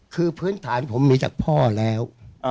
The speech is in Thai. คือพื้นฐานผมมีจากพ่อแล้ว